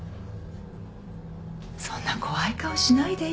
そんな怖い顔しないで。